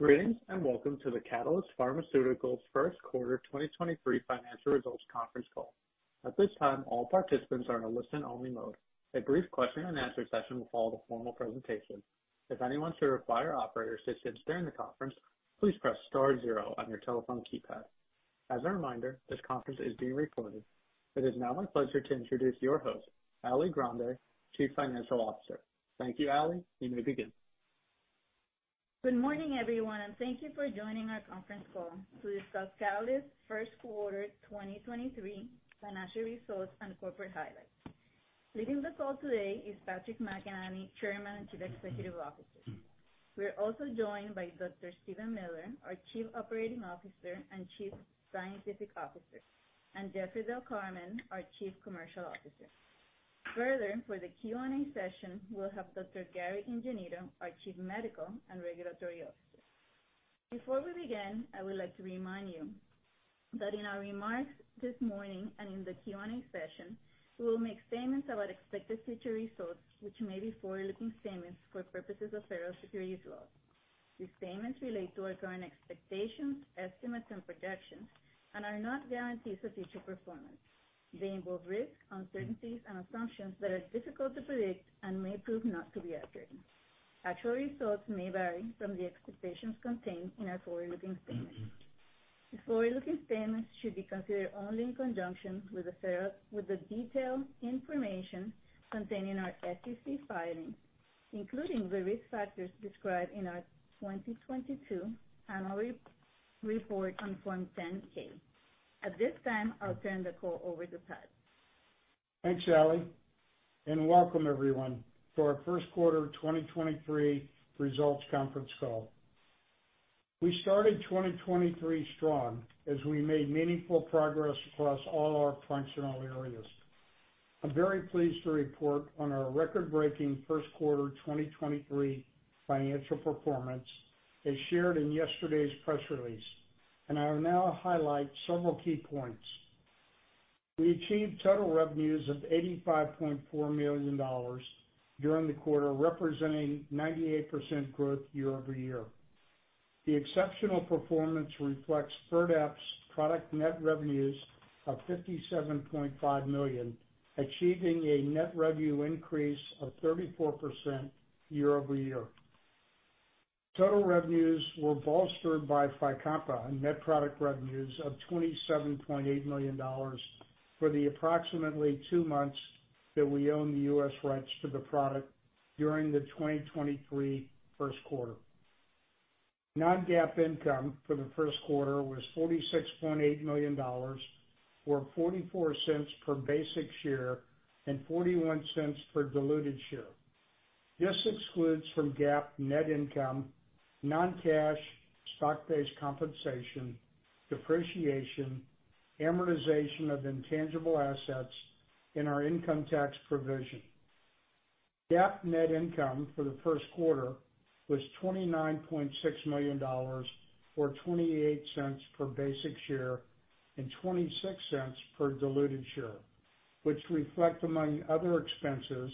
Greetings, welcome to the Catalyst Pharmaceuticals first quarter 2023 financial results conference call. At this time, all participants are in a listen-only mode. A brief question-and-answer session will follow the formal presentation. If anyone should require operator assistance during the conference, please press star 0 on your telephone keypad. As a reminder, this conference is being recorded. It is now my pleasure to introduce your host, Ali Grande, Chief Financial Officer. Thank you, Ali. You may begin. Good morning, everyone. Thank you for joining our conference call to discuss Catalyst's first quarter 2023 financial results and corporate highlights. Leading the call today is Patrick J. McEnany, Chairman and Chief Executive Officer. We're also joined by Dr. Steven R. Miller, our Chief Operating Officer and Chief Scientific Officer, and Jeffrey Del Carmen, our Chief Commercial Officer. For the Q&A session, we'll have Dr. Gary Ingenito, our Chief Medical and Regulatory Officer. Before we begin, I would like to remind you that in our remarks this morning and in the Q&A session, we will make statements about expected future results, which may be forward-looking statements for purposes of federal securities laws. These statements relate to our current expectations, estimates, and projections and are not guarantees of future performance. They involve risks, uncertainties, and assumptions that are difficult to predict and may prove not to be accurate. Actual results may vary from the expectations contained in our forward-looking statements. These forward-looking statements should be considered only in conjunction with the detailed information contained in our SEC filings, including the risk factors described in our 2022 annual report on Form 10-K. At this time, I'll turn the call over to Pat. Thanks, Ali, welcome everyone to our first quarter 2023 results conference call. We started 2023 strong as we made meaningful progress across all our functional areas. I'm very pleased to report on our record-breaking first quarter 2023 financial performance as shared in yesterday's press release, I will now highlight several key points. We achieved total revenues of $85.4 million during the quarter, representing 98% growth year-over-year. The exceptional performance reflects Firdapse product net revenues of $57.5 million, achieving a net revenue increase of 34% year-over-year. Total revenues were bolstered by Fycompa net product revenues of $27.8 million for the approximately 2 months that we owned the US rights to the product during the 2023 first quarter. non-GAAP income for the first quarter was $46.8 million, or $0.44 per basic share and $0.41 per diluted share. This excludes from GAAP net income, non-cash stock-based compensation, depreciation, amortization of intangible assets in our income tax provision. GAAP net income for the first quarter was $29.6 million, or $0.28 per basic share and $0.26 per diluted share, which reflect, among other expenses,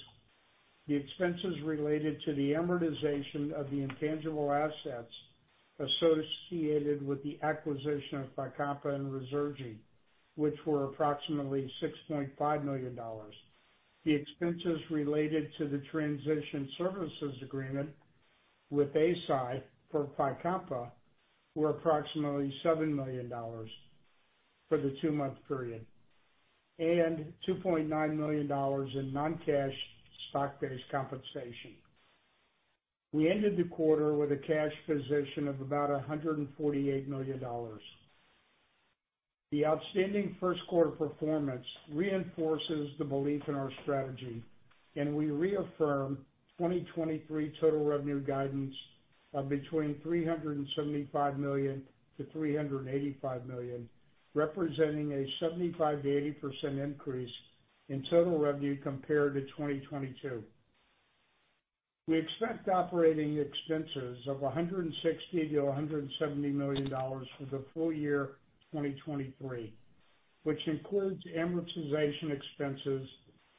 the expenses related to the amortization of the intangible assets associated with the acquisition of Fycompa and Ruzurgi, which were approximately $6.5 million. The expenses related to the transition services agreement with Eisai for Fycompa were approximately $7 million for the two-month period, and $2.9 million in non-cash stock-based compensation. We ended the quarter with a cash position of about $148 million. The outstanding first quarter performance reinforces the belief in our strategy. We reaffirm 2023 total revenue guidance of between $375 million-$385 million, representing a 75%-80% increase in total revenue compared to 2022. We expect operating expenses of $160 million-$170 million for the full year 2023, which includes amortization expenses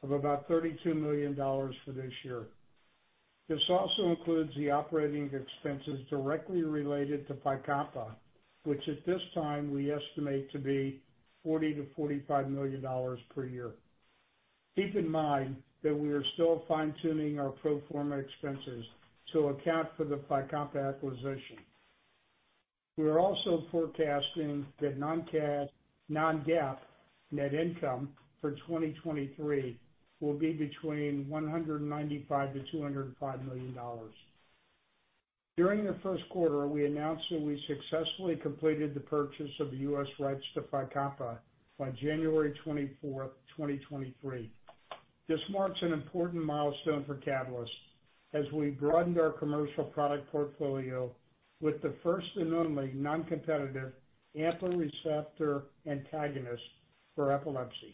of about $32 million for this year. This also includes the operating expenses directly related to Fycompa, which at this time we estimate to be $40 million-$45 million per year. Keep in mind that we are still fine-tuning our pro forma expenses to account for the Fycompa acquisition. We are also forecasting that non-cash, non-GAAP net income for 2023 will be between $195 million-$205 million. During the first quarter, we announced that we successfully completed the purchase of the US rights to Fycompa by January 24, 2023. This marks an important milestone for Catalyst as we broadened our commercial product portfolio with the first and only non-competitive AMPA receptor antagonist for epilepsy,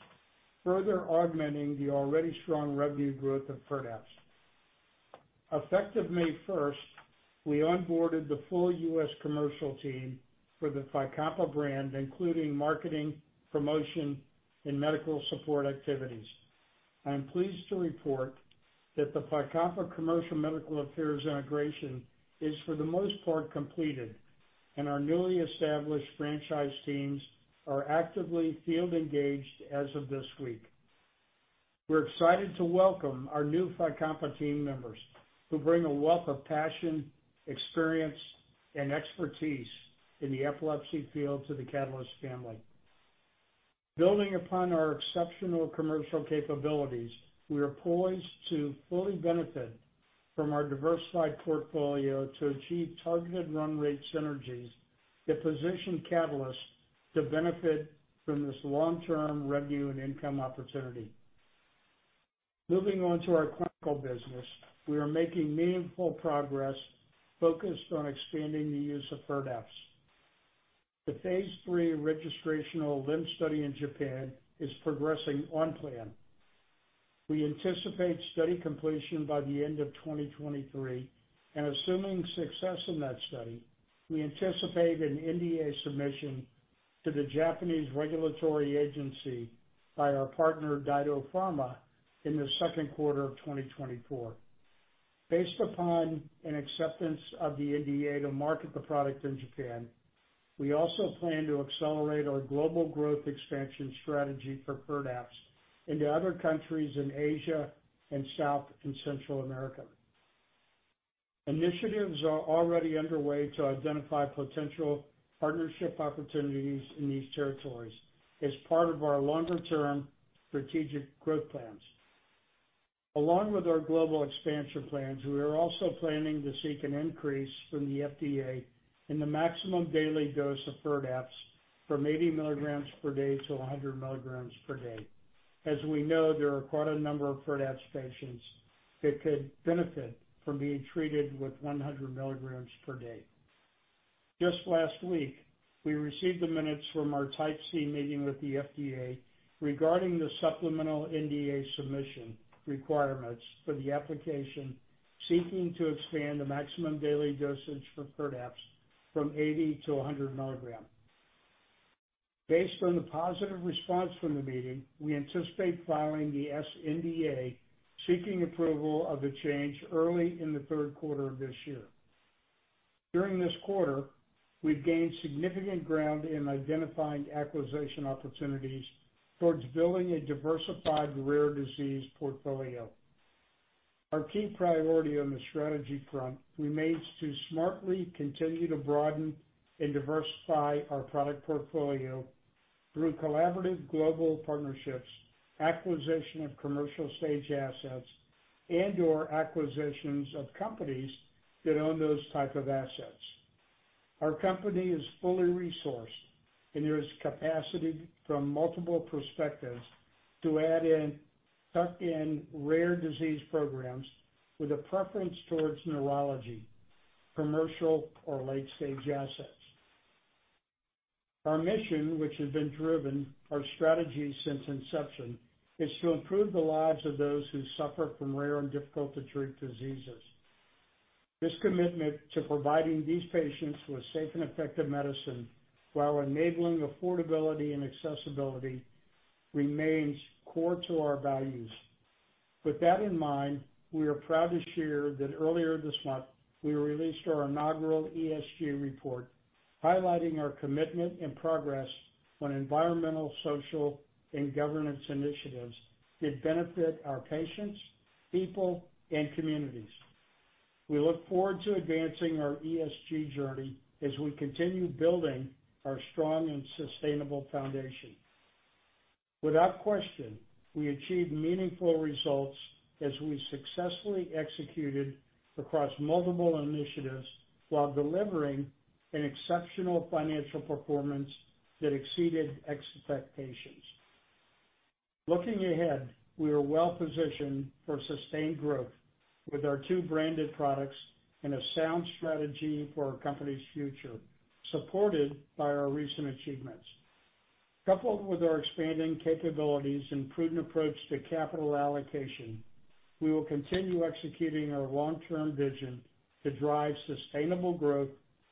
further augmenting the already strong revenue growth of Firdapse. Effective May 1, we onboarded the full US commercial team for the Fycompa brand, including marketing, promotion, and medical support activities. I'm pleased to report that the Fycompa commercial medical affairs integration is for the most part completed, and our newly established franchise teams are actively field engaged as of this week. We're excited to welcome our new Fycompa team members who bring a wealth of passion, experience, and expertise in the epilepsy field to the Catalyst family. Building upon our exceptional commercial capabilities, we are poised to fully benefit from our diversified portfolio to achieve targeted run rate synergies that position Catalyst to benefit from this long-term revenue and income opportunity. Moving on to our clinical business. We are making meaningful progress focused on expanding the use of Firdapse. The phase 3 registrational study in Japan is progressing on plan. We anticipate study completion by the end of 2023, and assuming success in that study, we anticipate an NDA submission to the Japanese regulatory agency by our partner, DyDo Pharma, in the second quarter of 2024. Based upon an acceptance of the NDA to market the product in Japan, we also plan to accelerate our global growth expansion strategy for Firdapse into other countries in Asia and South and Central America. Initiatives are already underway to identify potential partnership opportunities in these territories as part of our longer-term strategic growth plans. Along with our global expansion plans, we are also planning to seek an increase from the FDA in the maximum daily dose of Firdapse from 80 milligrams per day to 100 milligrams per day. As we know, there are quite a number of Firdapse patients that could benefit from being treated with 100 milligrams per day. Just last week, we received the minutes from our Type C meeting with the FDA regarding the supplemental NDA submission requirements for the application, seeking to expand the maximum daily dosage for Firdapse from 80 to 100 milligram. Based on the positive response from the meeting, we anticipate filing the sNDA, seeking approval of the change early in the third quarter of this year. During this quarter, we've gained significant ground in identifying acquisition opportunities towards building a diversified, rare disease portfolio. Our key priority on the strategy front remains to smartly continue to broaden and diversify our product portfolio through collaborative global partnerships, acquisition of commercial stage assets, and/or acquisitions of companies that own those type of assets. Our company is fully resourced, there is capacity from multiple perspectives to tuck in rare disease programs with a preference towards neurology, commercial or late-stage assets. Our mission, which has been driven our strategy since inception, is to improve the lives of those who suffer from rare and difficult to treat diseases. This commitment to providing these patients with safe and effective medicine while enabling affordability and accessibility remains core to our values. With that in mind, we are proud to share that earlier this month, we released our inaugural ESG report highlighting our commitment and progress on environmental, social, and governance initiatives that benefit our patients, people, and communities. We look forward to advancing our ESG journey as we continue building our strong and sustainable foundation. Without question, we achieved meaningful results as we successfully executed across multiple initiatives while delivering an exceptional financial performance that exceeded expectations. Looking ahead, we are well-positioned for sustained growth with our two branded products and a sound strategy for our company's future, supported by our recent achievements. Coupled with our expanding capabilities and prudent approach to capital allocation, we will continue executing our long-term vision to drive sustainable growth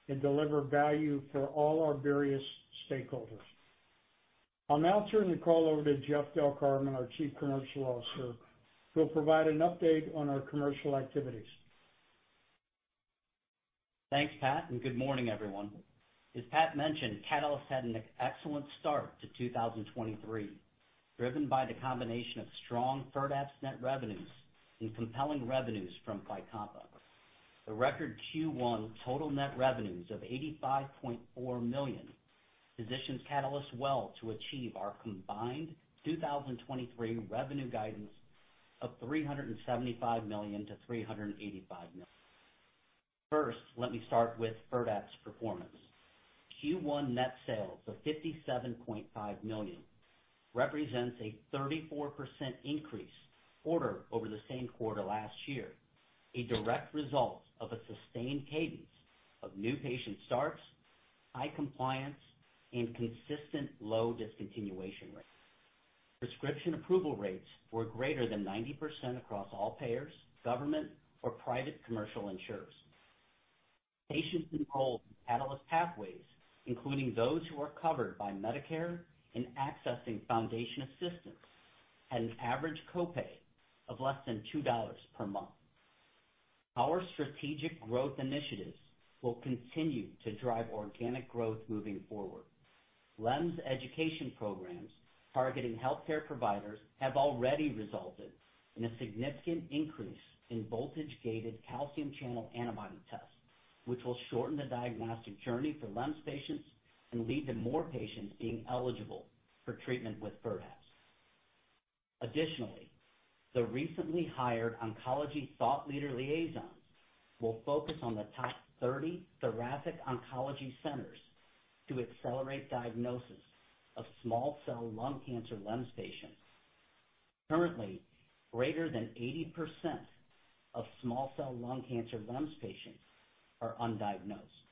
and deliver value for all our various stakeholders. I'll now turn the call over to Jeff Del Carmen, our Chief Commercial Officer, who will provide an update on our commercial activities. Thanks, Pat. Good morning, everyone. As Pat mentioned, Catalyst had an excellent start to 2023, driven by the combination of strong Firdapse net revenues and compelling revenues from Fycompa. The record Q1 total net revenues of $85.4 million positions Catalyst well to achieve our combined 2023 revenue guidance of $375 million-$385 million. First, let me start with Firdapse performance. Q1 net sales of $57.5 million represents a 34% increase quarter over the same quarter last year, a direct result of a sustained cadence of new patient starts, high compliance, and consistent low discontinuation rates. Prescription approval rates were greater than 90% across all payers, government or private commercial insurers. Patients enrolled in Catalyst Pathways, including those who are covered by Medicare in accessing foundation assistance, had an average copay of less than $2 per month. Our strategic growth initiatives will continue to drive organic growth moving forward. LEMS education programs targeting healthcare providers have already resulted in a significant increase in voltage-gated calcium channel antibody tests, which will shorten the diagnostic journey for LEMS patients and lead to more patients being eligible for treatment with Firdapse. Additionally, the recently hired oncology thought leader liaison will focus on the top 30 thoracic oncology centers to accelerate diagnosis of small cell lung cancer LEMS patients. Currently, greater than 80% of small cell lung cancer LEMS patients are undiagnosed.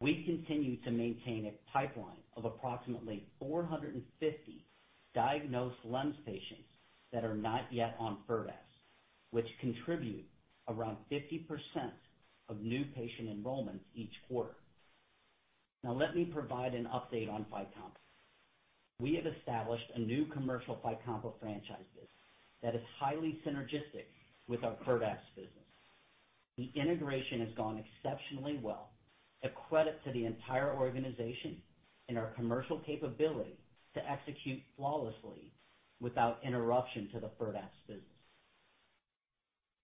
We continue to maintain a pipeline of approximately 450 diagnosed LEMS patients that are not yet on Firdapse, which contribute around 50% of new patient enrollments each quarter. Let me provide an update on Fycompa. We have established a new commercial Fycompa franchise business that is highly synergistic with our Firdapse business. The integration has gone exceptionally well, a credit to the entire organization and our commercial capability to execute flawlessly without interruption to the Firdapse business.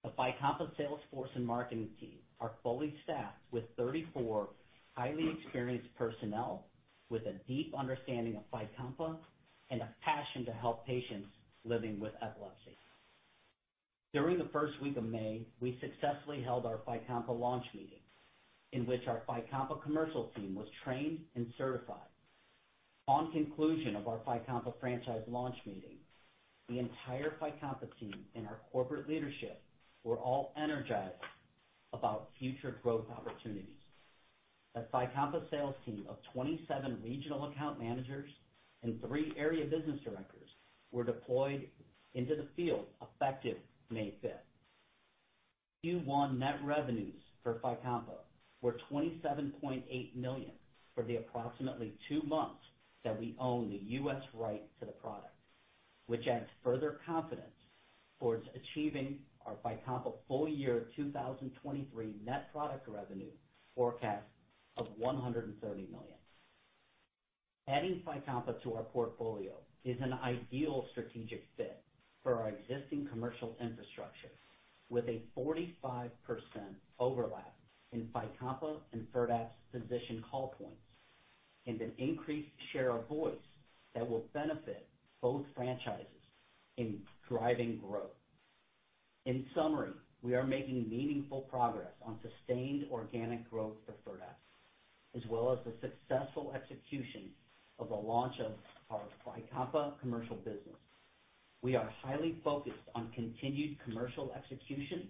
The Fycompa sales force and marketing team are fully staffed with 34 highly experienced personnel with a deep understanding of Fycompa and a passion to help patients living with epilepsy. During the first week of May, we successfully held our Fycompa launch meeting, in which our Fycompa commercial team was trained and certified. On conclusion of our Fycompa franchise launch meeting, the entire Fycompa team and our corporate leadership were all energized about future growth opportunities. A Fycompa sales team of 27 regional account managers and 3 area business directors were deployed into the field effective May 5th. Q1 net revenues for Fycompa were $27.8 million for the approximately 2 months that we own the US right to the product, which adds further confidence towards achieving our Fycompa full year 2023 net product revenue forecast of $130 million. Adding Fycompa to our portfolio is an ideal strategic fit for our existing commercial infrastructure, with a 45% overlap in Fycompa and Firdapse physician call points and an increased share of voice that will benefit both franchises in driving growth. In summary, we are making meaningful progress on sustained organic growth for Firdapse, as well as the successful execution of the launch of our Fycompa commercial business. We are highly focused on continued commercial execution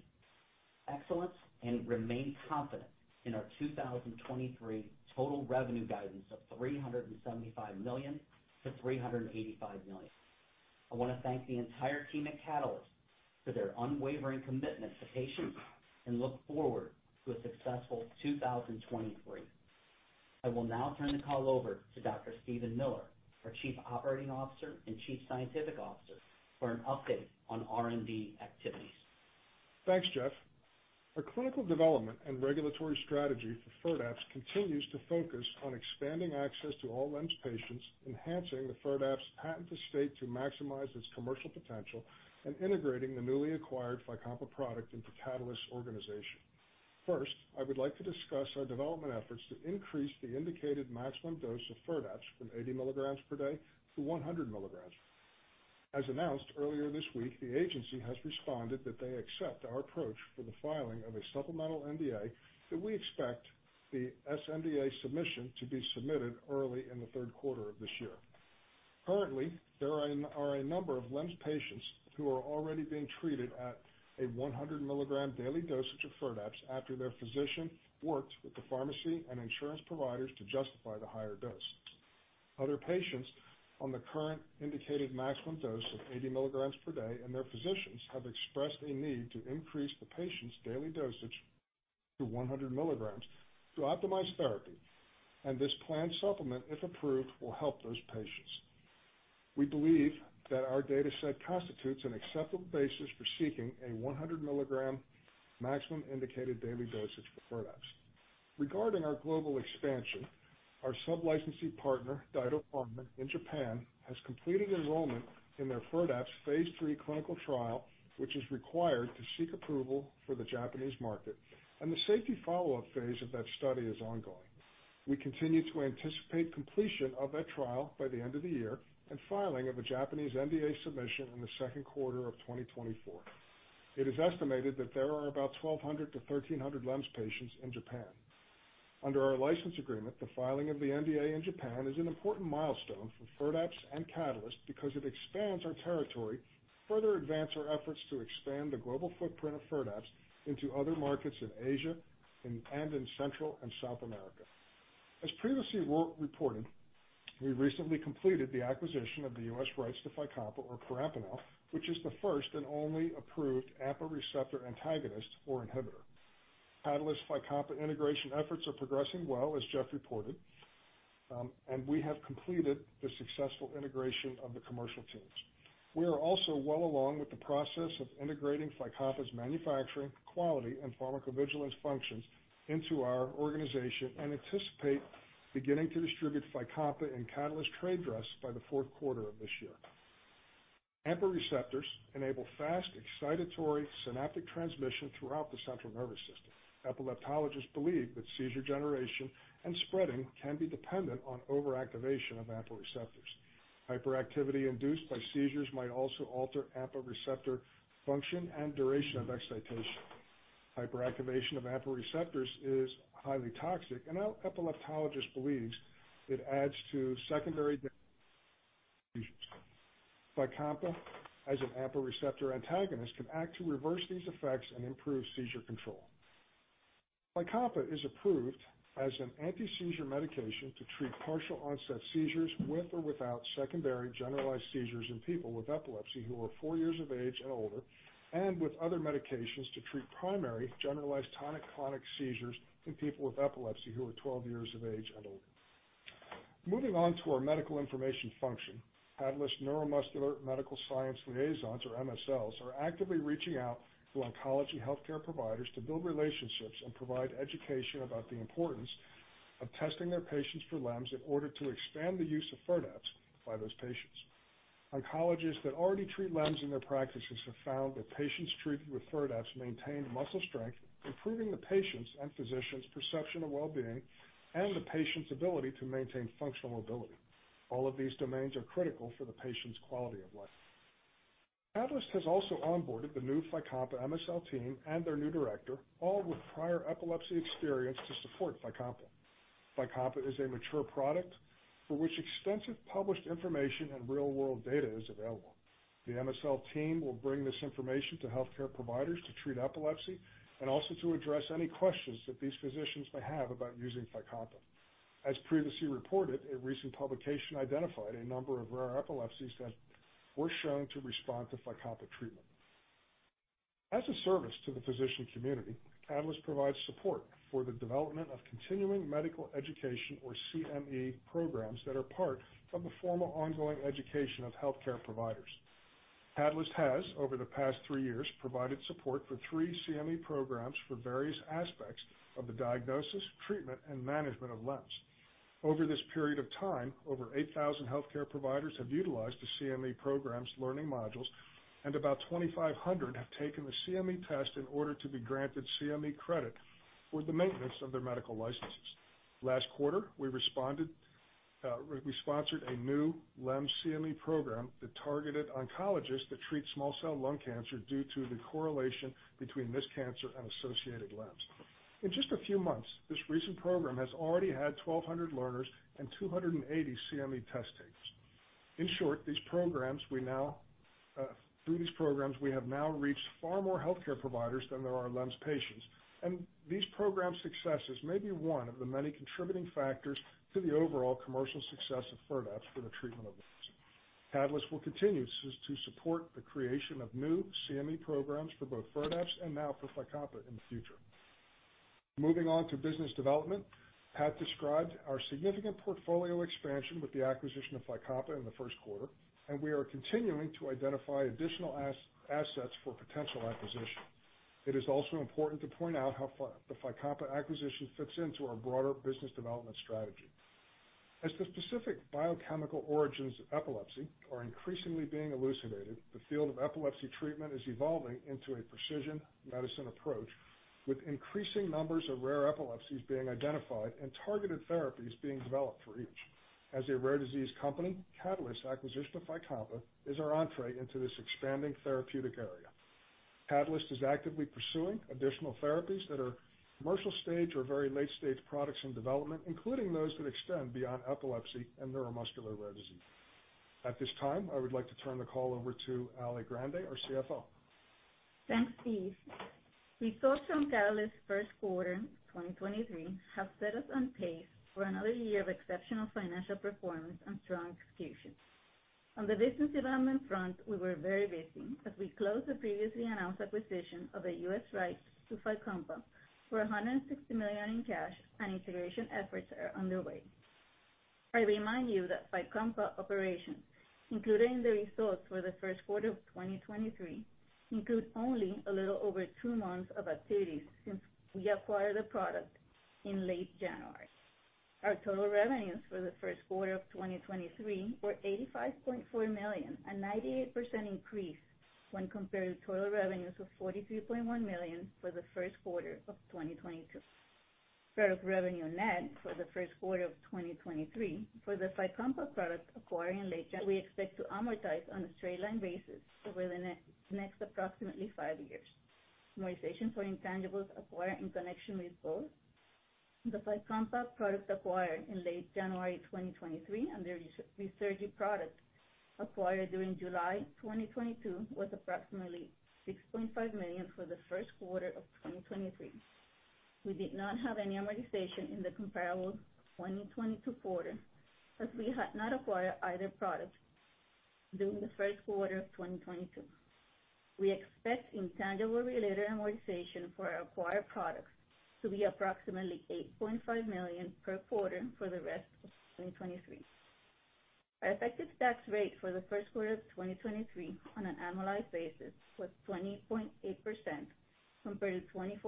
excellence and remain confident in our 2023 total revenue guidance of $375 million-$385 million. I wanna thank the entire team at Catalyst for their unwavering commitment to patients and look forward to a successful 2023. I will now turn the call over to Dr. Steven Miller, our Chief Operating Officer and Chief Scientific Officer, for an update on R&D activities. Thanks, Jeff. Our clinical development and regulatory strategy for Firdapse continues to focus on expanding access to all LEMS patients, enhancing the Firdapse patent estate to maximize its commercial potential, and integrating the newly acquired Fycompa product into Catalyst's organization. First, I would like to discuss our development efforts to increase the indicated maximum dose of Firdapse from 80 milligrams per day to 100 milligrams. As announced earlier this week, the agency has responded that they accept our approach for the filing of a supplemental NDA that we expect the sNDA submission to be submitted early in the third quarter of this year. Currently, there are a number of LEMS patients who are already being treated at a 100 milligram daily dosage of Firdapse after their physician worked with the pharmacy and insurance providers to justify the higher dose. Other patients on the current indicated maximum dose of 80 milligrams per day, their physicians have expressed a need to increase the patient's daily dosage to 100 milligrams to optimize therapy. This planned supplement, if approved, will help those patients. We believe that our data set constitutes an acceptable basis for seeking a 100 milligram maximum indicated daily dosage for Firdapse. Regarding our global expansion, our sub-licensee partner, DyDo Pharma in Japan, has completed enrollment in their Firdapse phase 3 clinical trial, which is required to seek approval for the Japanese market. The safety follow-up phase of that study is ongoing. We continue to anticipate completion of that trial by the end of the year and filing of a Japanese NDA submission in the second quarter of 2024. It is estimated that there are about 1,200 to 1,300 LEMS patients in Japan. Under our license agreement, the filing of the NDA in Japan is an important milestone for Firdapse and Catalyst because it expands our territory to further advance our efforts to expand the global footprint of Firdapse into other markets in Asia and in Central and South America. As previously re-reported, we recently completed the acquisition of the US rights to Fycompa or perampanel, which is the first and only approved AMPA receptor antagonist or inhibitor. Catalyst Fycompa integration efforts are progressing well, as Jeff reported, and we have completed the successful integration of the commercial teams. We are also well along with the process of integrating Fycompa's manufacturing quality and pharmacovigilance functions into our organization, and anticipate beginning to distribute Fycompa in Catalyst trade dress by the 4th quarter of this year. AMPA receptors enable fast excitatory synaptic transmission throughout the central nervous system. Epileptologists believe that seizure generation and spreading can be dependent on overactivation of AMPA receptors. Hyperactivity induced by seizures might also alter AMPA receptor function and duration of excitation. Hyperactivation of AMPA receptors is highly toxic, and epileptologists believes it adds to secondary Fycompa, as an AMPA receptor antagonist, can act to reverse these effects and improve seizure control. Fycompa is approved as an anti-seizure medication to treat partial-onset seizures with or without secondary generalized seizures in people with epilepsy who are 4 years of age and older, and with other medications to treat primary generalized tonic-clonic seizures in people with epilepsy who are 12 years of age and older. Moving on to our medical information function, Catalyst Neuromuscular Medical Science Liaisons or MSLs are actively reaching out to oncology healthcare providers to build relationships and provide education about the importance of testing their patients for LEMS in order to expand the use of Firdapse by those patients. Oncologists that already treat LEMS in their practices have found that patients treated with Firdapse maintain muscle strength, improving the patient's and physician's perception of well-being and the patient's ability to maintain functional mobility. All of these domains are critical for the patient's quality of life. Catalyst has also onboarded the new Fycompa MSL team and their new director, all with prior epilepsy experience to support Fycompa. Fycompa is a mature product for which extensive published information and real-world data is available. The MSL team will bring this information to healthcare providers to treat epilepsy and also to address any questions that these physicians may have about using Fycompa. As previously reported, a recent publication identified a number of rare epilepsies that were shown to respond to Fycompa treatment. As a service to the physician community, Catalyst provides support for the development of continuing medical education, or CME programs, that are part of the formal ongoing education of healthcare providers. Catalyst has, over the past three years, provided support for three CME programs for various aspects of the diagnosis, treatment, and management of LEMS. Over this period of time, over 8,000 healthcare providers have utilized the CME program's learning modules, and about 2,500 have taken the CME test in order to be granted CME credit for the maintenance of their medical licenses. Last quarter, we responded, we sponsored a new LEMS CME program that targeted oncologists that treat small cell lung cancer due to the correlation between this cancer and associated LEMS. In just a few months, this recent program has already had 1,200 learners and 280 CME test takers. In short, through these programs, we have now reached far more healthcare providers than there are LEMS patients, and these program successes may be one of the many contributing factors to the overall commercial success of Firdapse for the treatment of LEMS. Catalyst will continue to support the creation of new CME programs for both Firdapse and now for Fycompa in the future. Moving on to business development, Pat described our significant portfolio expansion with the acquisition of Fycompa in the first quarter. We are continuing to identify additional assets for potential acquisition. It is also important to point out how the Fycompa acquisition fits into our broader business development strategy. The specific biochemical origins of epilepsy are increasingly being elucidated, the field of epilepsy treatment is evolving into a precision medicine approach, with increasing numbers of rare epilepsies being identified and targeted therapies being developed for each. A rare disease company, Catalyst acquisition of Fycompa is our entree into this expanding therapeutic area. Catalyst is actively pursuing additional therapies that are commercial stage or very late-stage products in development, including those that extend beyond epilepsy and neuromuscular rare disease. At this time, I would like to turn the call over to Alicia Grande, our CFO. Thanks, Steve. Results from Catalyst first quarter 2023 have set us on pace for another year of exceptional financial performance and strong execution. On the business development front, we were very busy as we closed the previously announced acquisition of the US rights to Fycompa for $160 million in cash, and integration efforts are underway. I remind you that Fycompa operations, including the results for the first quarter of 2023, include only a little over 2 months of activities since we acquired the product in late January. Our total revenues for the first quarter of 2023 were $85.4 million, a 98% increase when compared to total revenues of $43.1 million for the first quarter of 2022. Product revenue net for the first quarter of 2023 for the Fycompa product acquired in late January, we expect to amortize on a straight line basis over the next approximately 5 years. Amortization for intangibles acquired in connection with both the Fycompa product acquired in late January 2023 and the Ruzurgi product acquired during July 2022 was approximately $6.5 million for the first quarter of 2023. We did not have any amortization in the comparable 2022 quarter, as we had not acquired either product during the first quarter of 2022. We expect intangible related amortization for our acquired products to be approximately $8.5 million per quarter for the rest of 2023. Our effective tax rate for the first quarter of 2023 on an annualized basis was 20.8% compared to 24.2%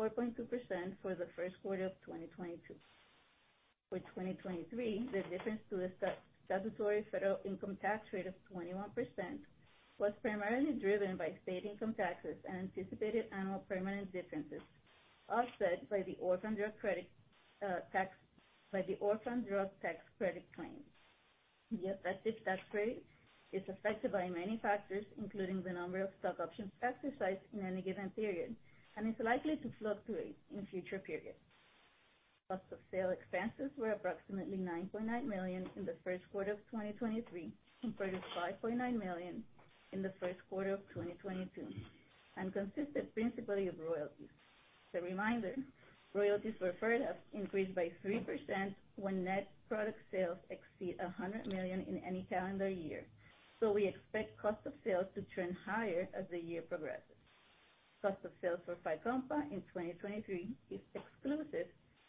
for the first quarter of 2022. For 2023, the difference to the statutory federal income tax rate of 21% was primarily driven by state income taxes and anticipated annual permanent differences, offset by the Orphan Drug Tax Credit claim. The effective tax rate is affected by many factors, including the number of stock options exercised in any given period, and is likely to fluctuate in future periods. Cost of sale expenses were approximately $9.9 million in the first quarter of 2023, compared to $5.9 million in the first quarter of 2022, and consisted principally of royalties. As a reminder, royalties for Firdapse have increased by 3% when net product sales exceed $100 million in any calendar year, we expect cost of sales to trend higher as the year progresses. Cost of sales for Fycompa in 2023 is exclusive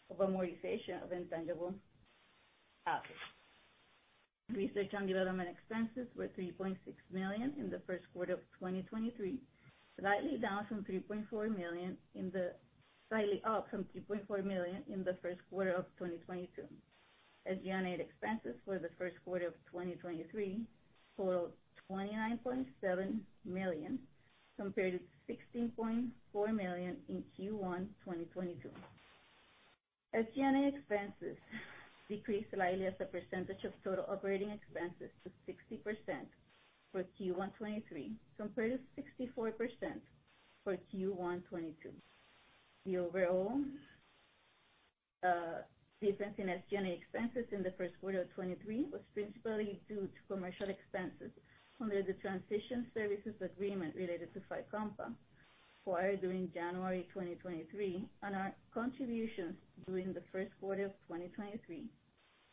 of amortization of intangible assets. Research and development expenses were $3.6 million in the 1st quarter of 2023, slightly up from $3.4 million in the 1st quarter of 2022. SG&A expenses for the 1st quarter of 2023 totaled $29.7 million, compared to $16.4 million in Q1 2022. SG&A expenses decreased slightly as a percentage of total operating expenses to 60% for Q1 2023, compared to 64% for Q1 2022. The overall difference in SG&A expenses in the first quarter of 2023 was principally due to commercial expenses under the transition services agreement related to Fycompa, filed during January 2023, and our contributions during the first quarter of 2023.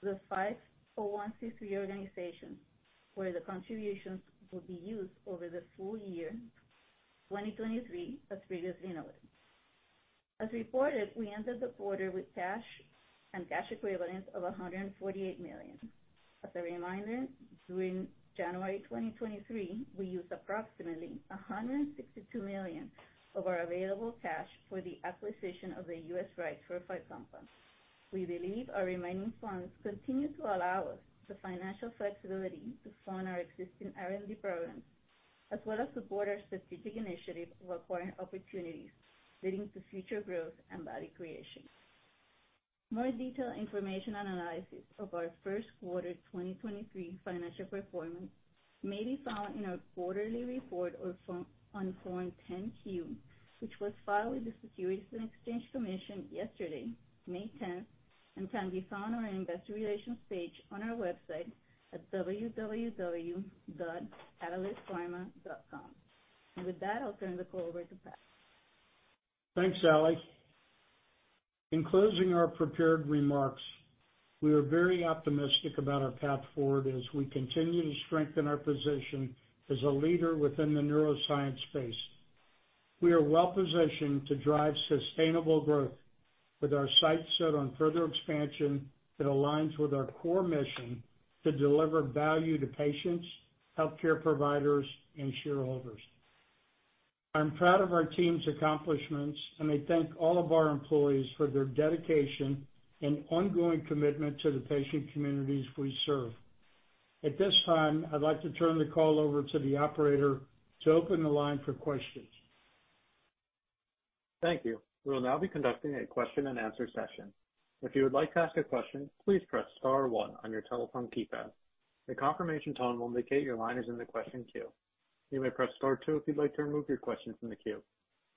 The 501(c)(3) organizations, where the contributions will be used over the full year 2023, as previously noted. As reported, we ended the quarter with cash and cash equivalents of $148 million. As a reminder, during January 2023, we used approximately $162 million of our available cash for the acquisition of the US rights for Fycompa. We believe our remaining funds continue to allow us the financial flexibility to fund our existing R&D programs, as well as support our strategic initiative of acquiring opportunities leading to future growth and value creation. More detailed information and analysis of our first quarter 2023 financial performance may be found in our quarterly report or form, on Form 10-Q, which was filed with the Securities and Exchange Commission yesterday, May 10th, and can be found on our investor relations page on our website at www.catalystpharma.com. With that, I'll turn the call over to Pat. Thanks, Ali. In closing our prepared remarks, we are very optimistic about our path forward as we continue to strengthen our position as a leader within the neuroscience space. We are well-positioned to drive sustainable growth with our sights set on further expansion that aligns with our core mission to deliver value to patients, healthcare providers, and shareholders. I'm proud of our team's accomplishments, and I thank all of our employees for their dedication and ongoing commitment to the patient communities we serve. At this time, I'd like to turn the call over to the operator to open the line for questions. Thank you. We will now be conducting a question and answer session. If you would like to ask a question, please press star one on your telephone keypad. The confirmation tone will indicate your line is in the question queue. You may press star two if you'd like to remove your question from the queue.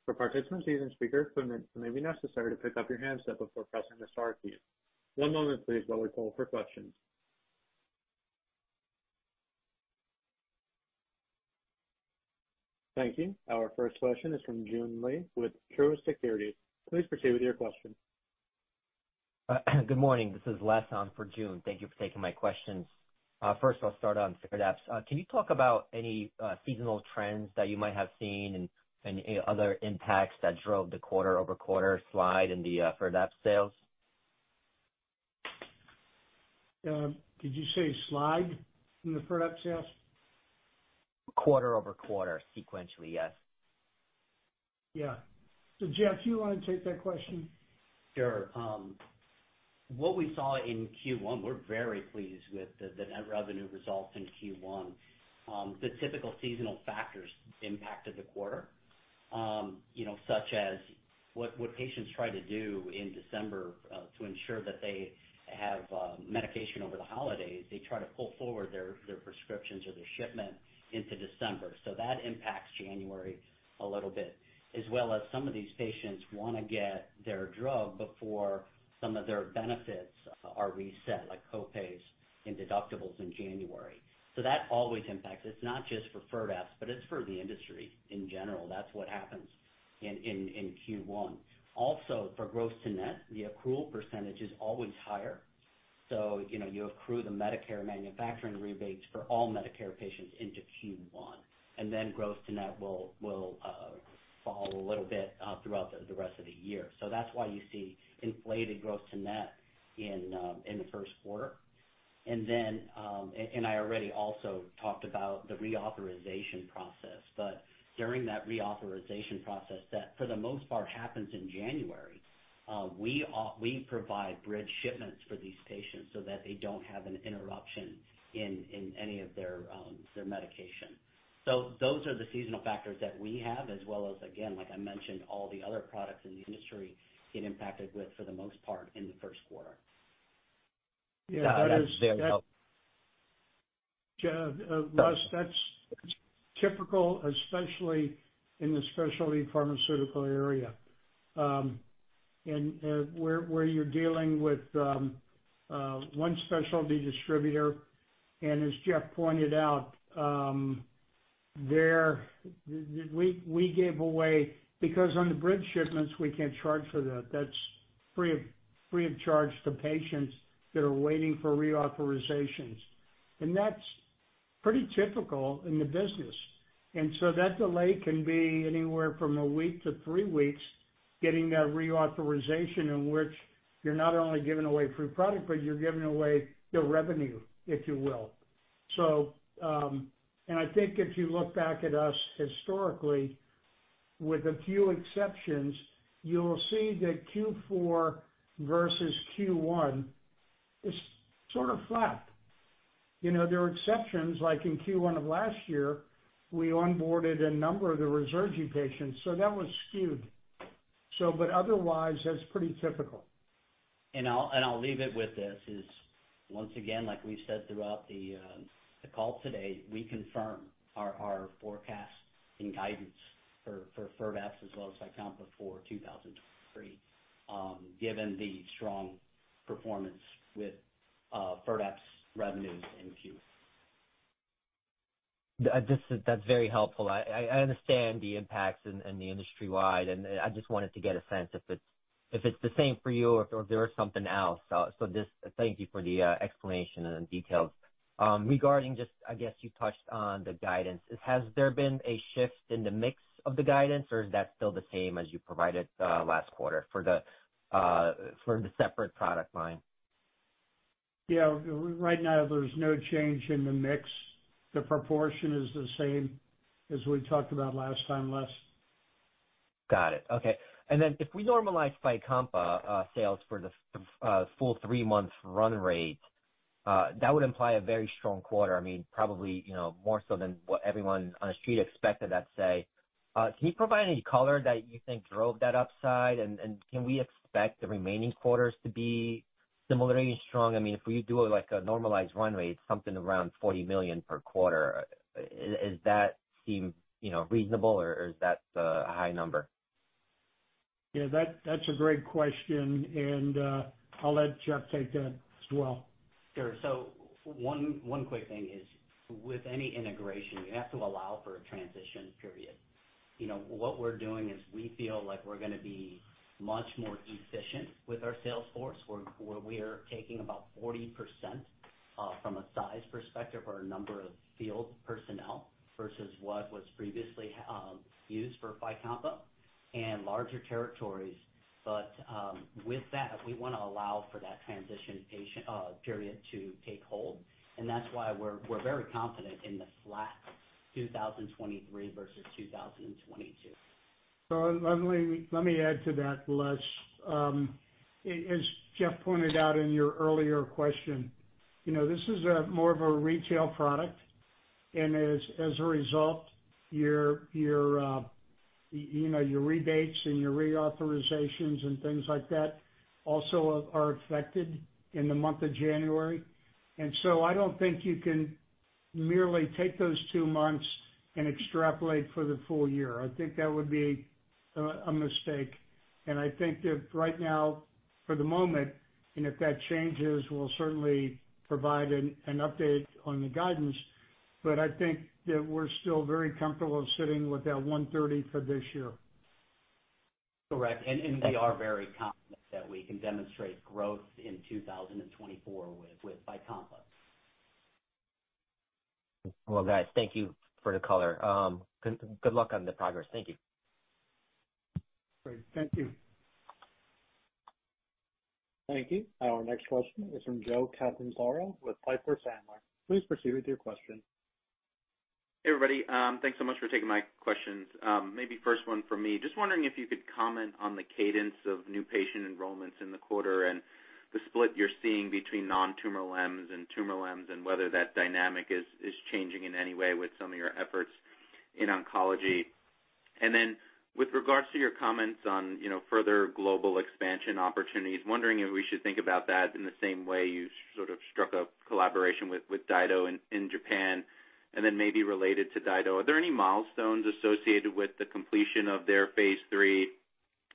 For participants using speakerphone, it may be necessary to pick up your handset before pressing the star key. One moment please while we poll for questions. Thank you. Our first question is from Joon Lee with Truist Securities. Please proceed with your question. Good morning. This is Les on for Joon. Thank you for taking my questions. First I'll start on Firdapse. Can you talk about any seasonal trends that you might have seen and any other impacts that drove the quarter-over-quarter slide in the Firdapse sales? Did you say slide in the product sales? Quarter-over-quarter, sequentially, yes. Yeah. Jeff, do you wanna take that question? Sure. What we saw in Q1, we're very pleased with the net revenue results in Q1. The typical seasonal factors impacted the quarter. You know, such as what patients try to do in December, to ensure that they have medication over the holidays, they try to pull forward their prescriptions or their shipments into December. That impacts January a little bit, as well as some of these patients wanna get their drug before some of their benefits are reset, like co-pays and deductibles in January. That always impacts. It's not just for Firdapse, but it's for the industry in general. That's what happens in Q1. Also, for gross to net, the accrual % is always higher. You know, you accrue the Medicare manufacturing rebates for all Medicare patients into Q1, and then gross to net will fall a little bit throughout the rest of the year. That's why you see inflated gross to net in the first quarter. I already also talked about the reauthorization process, but during that reauthorization process that for the most part happens in January, we provide bridge shipments for these patients so that they don't have an interruption in any of their medication. Those are the seasonal factors that we have, as well as, again, like I mentioned, all the other products in the industry get impacted with, for the most part, in the first quarter. Yeah. That's very helpful. Jeff, Les, that's typical, especially in the specialty pharmaceutical area. Where you're dealing with one specialty distributor, and as Jeff pointed out, we gave away. Because on the bridge shipments, we can't charge for that. That's free of charge to patients that are waiting for reauthorizations. That's pretty typical in the business. That delay can be anywhere from one week to three weeks getting that reauthorization in which you're not only giving away free product, but you're giving away your revenue, if you will. I think if you look back at us historically, with a few exceptions, you'll see that Q4 versus Q1 is sort of flat. You know, there are exceptions, like in Q1 of last year, we onboarded a number of the Ruzurgi patients, so that was skewed. Otherwise, that's pretty typical. I'll leave it with this, is once again, like we said throughout the call today, we confirm our forecast and guidance for Firdapse as well as Fycompa for 2023, given the strong performance with Firdapse revenues in Q. That's very helpful. I understand the impacts and the industry-wide, and I just wanted to get a sense if it's the same for you or if there was something else. Just thank you for the explanation and the details. Regarding just, I guess, you touched on the guidance. Has there been a shift in the mix of the guidance or is that still the same as you provided last quarter for the separate product line? Right now there's no change in the mix. The proportion is the same as we talked about last time, Les. Got it. Okay. If we normalize Fycompa sales for the full 3-month run rate, that would imply a very strong quarter. I mean, probably, you know, more so than what everyone on the street expected, I'd say. Can you provide any color that you think drove that upside? Can we expect the remaining quarters to be similarly strong? I mean, if we do like a normalized run rate, something around $40 million per quarter, is that seem, you know, reasonable or is that a high number? Yeah. That's a great question, I'll let Jeff take that as well. Sure. One quick thing is, with any integration, you have to allow for a transition period. You know, what we're doing is we feel like we're gonna be much more efficient with our sales force, where we are taking about 40% from a size perspective or a number of field personnel versus what was previously used for Fycompa and larger territories. With that, we wanna allow for that transition patient period to take hold. That's why we're very confident in the flat 2023 versus 2022. Let me add to that, Les. As Jeff pointed out in your earlier question, you know, this is more of a retail product, and as a result, your, you know, your rebates and your reauthorizations and things like that also are affected in the month of January. I don't think you can merely take those two months and extrapolate for the full year. I think that would be a mistake. I think that right now for the moment, and if that changes, we'll certainly provide an update on the guidance. I think that we're still very comfortable sitting with that 130 for this year. Correct. We are very confident that we can demonstrate growth in 2024 with Fycompa. Well, guys, thank you for the color. Good luck on the progress. Thank you. Great. Thank you. Thank you. Our next question is from Joseph Catanzaro with Piper Sandler. Please proceed with your question. Hey, everybody. Thanks so much for taking my questions. Maybe first one for me. Just wondering if you could comment on the cadence of new patient enrollments in the quarter and the split you're seeing between non-tumor LEMS and tumor LEMS, and whether that dynamic is changing in any way with some of your efforts in oncology. With regards to your comments on, you know, further global expansion opportunities, wondering if we should think about that in the same way you sort of struck a collaboration with DyDo Pharma in Japan. Maybe related to DyDo Pharma, are there any milestones associated with the completion of their phase three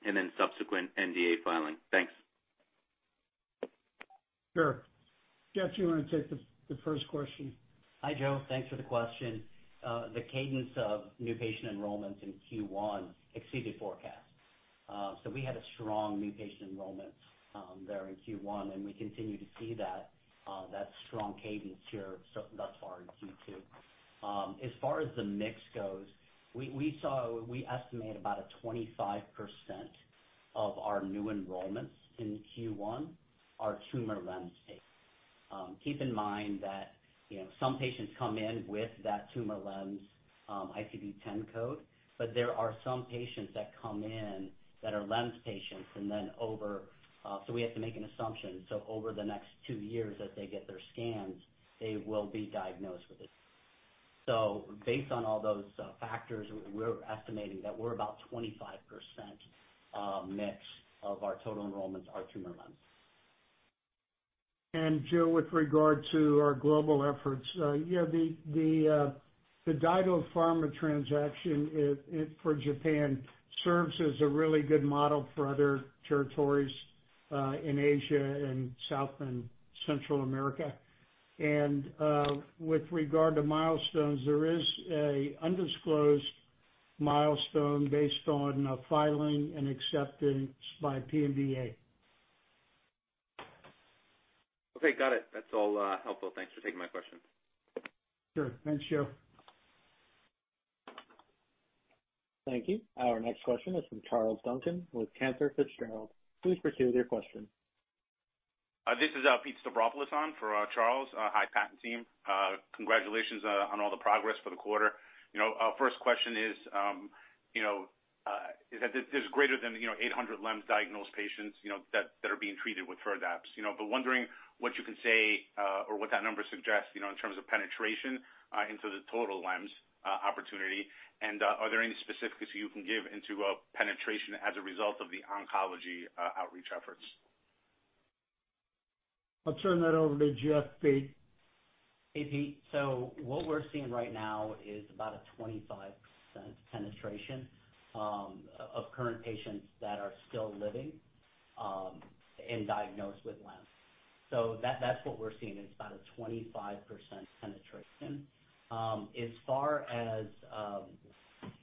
and then subsequent NDA filing? Thanks. Sure. Jeff, do you want to take the first question? Hi, Joe. Thanks for the question. The cadence of new patient enrollments in Q1 exceeded forecast. We had a strong new patient enrollment there in Q1, and we continue to see that strong cadence here thus far in Q2. As far as the mix goes, we estimate about a 25% of our new enrollments in Q1 are tumor LEMS patients. Keep in mind that, you know, some patients come in with that tumor LEMS ICD-10 code, there are some patients that come in that are LEMS patients and then over, we have to make an assumption. Over the next two years that they get their scans, they will be diagnosed with it. Based on all those factors, we're estimating that we're about 25% mix of our total enrollments are tumor LEMS. Joe, with regard to our global efforts, you know, the DyDo Pharma transaction for Japan serves as a really good model for other territories, in Asia and South and Central America. With regard to milestones, there is an undisclosed milestone based on a filing and acceptance by PMDA. Okay. Got it. That's all helpful. Thanks for taking my questions. Sure. Thanks, Joe. Thank you. Our next question is from Charles Duncan with Cantor Fitzgerald. Please proceed with your question. This is Pete Stavropoulos on for Charles. Hi, patent team. Congratulations on all the progress for the quarter. You know, our first question is, you know, there's greater than, you know, 800 LEMS diagnosed patients, you know, that are being treated with Firdapse. You know, wondering what you can say, or what that number suggests, you know, in terms of penetration into the total LEMS opportunity. Are there any specifics you can give into penetration as a result of the oncology outreach efforts? I'll turn that over to Jeff Del Carmen. Hey, Pete. What we're seeing right now is about a 25% penetration of current patients that are still living and diagnosed with LEMS. That's what we're seeing is about a 25% penetration. As far as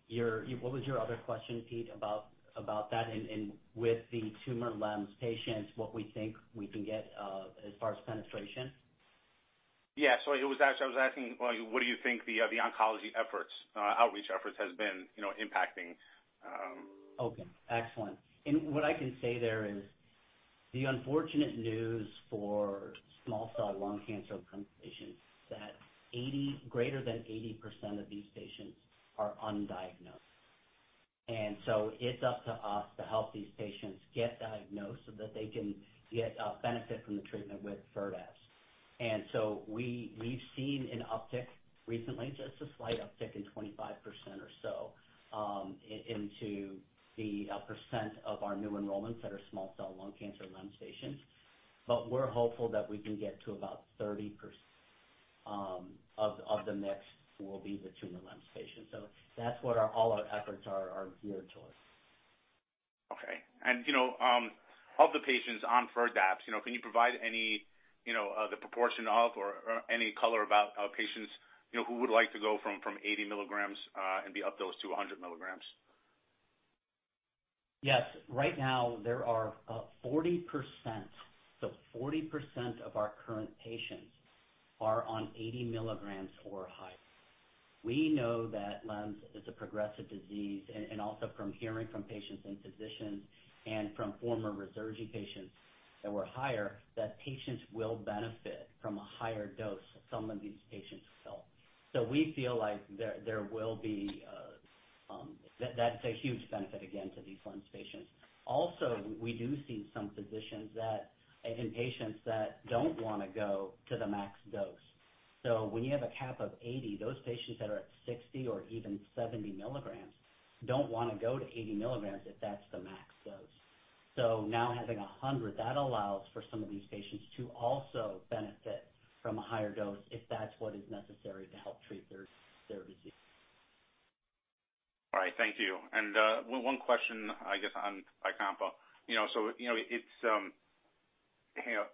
your... What was your other question, Pete, about that in with the tumor LEMS patients, what we think we can get as far as penetration? Yeah. I was asking, like, what do you think the oncology efforts, outreach efforts has been, you know, impacting. Excellent. What I can say there is the unfortunate news for small cell lung cancer LEMS patients that greater than 80% of these patients are undiagnosed. It's up to us to help these patients get diagnosed so that they can get benefit from the treatment with Firdapse. We've seen an uptick recently, just a slight uptick in 25% or so into the percent of our new enrollments that are small cell lung cancer LEMS patients. We're hopeful that we can get to about 30% of the mix will be the tumor LEMS patients. That's what our all our efforts are geared towards. Okay. You know, of the patients on Firdapse, you know, can you provide any, you know, the proportion of or any color about our patients, you know, who would like to go from 80 milligrams and be up dosed to 100 milligrams? Yes. Right now, there are 40%. 40% of our current patients are on 80 milligrams or higher. We know that LEMS is a progressive disease and also from hearing from patients and physicians and from former Ruzurgi patients that were higher, that patients will benefit from a higher dose, some of these patients will. We feel like that's a huge benefit again to these LEMS patients. We do see some physicians that and patients that don't wanna go to the max dose. When you have a cap of 80, those patients that are at 60 or even 70 milligrams don't wanna go to 80 milligrams if that's the max dose. Now having 100, that allows for some of these patients to also benefit from a higher dose if that's what is necessary to help treat their disease. All right. Thank you. One question I guess on Fycompa. You know, so you know, it's, you know...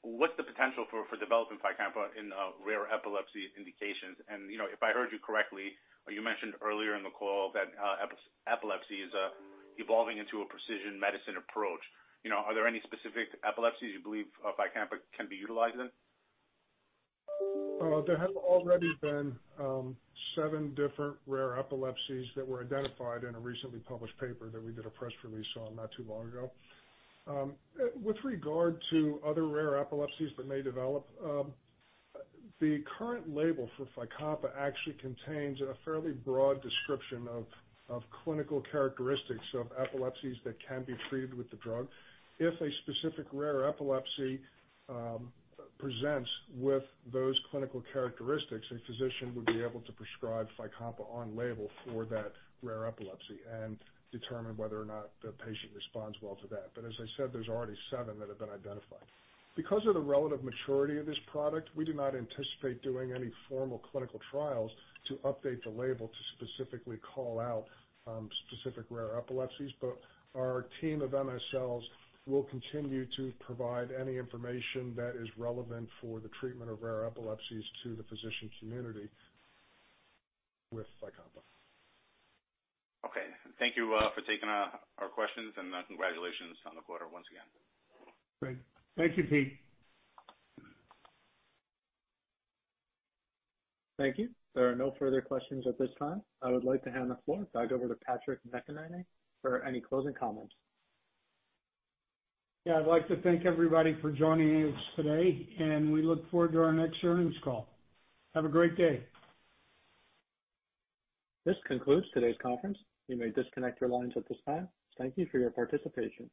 What's the potential for developing Fycompa in rare epilepsy indications? You know, if I heard you correctly, you mentioned earlier in the call that epilepsy is evolving into a precision medicine approach. You know, are there any specific epilepsies you believe Fycompa can be utilized in? There have already been 7 different rare epilepsies that were identified in a recently published paper that we did a press release on not too long ago. With regard to other rare epilepsies that may develop, the current label for Fycompa actually contains a fairly broad description of clinical characteristics of epilepsies that can be treated with the drug. If a specific rare epilepsy presents with those clinical characteristics, a physician would be able to prescribe Fycompa on label for that rare epilepsy and determine whether or not the patient responds well to that. As I said, there's already 7 that have been identified. Because of the relative maturity of this product, we do not anticipate doing any formal clinical trials to update the label to specifically call out specific rare epilepsies. Our team of MSLs will continue to provide any information that is relevant for the treatment of rare epilepsies to the physician community with Fycompa. Okay. Thank you for taking our questions and congratulations on the quarter once again. Great. Thank you, Pete. Thank you. There are no further questions at this time. I would like to hand the floor back over to Patrick McEnany for any closing comments. Yeah. I'd like to thank everybody for joining us today, and we look forward to our next earnings call. Have a great day. This concludes today's conference. You may disconnect your lines at this time. Thank you for your participation.